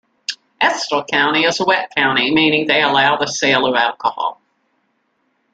Estill County is a wet county meaning they allow the sale of alcohol.